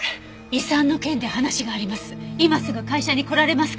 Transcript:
「遺産の件で話があります。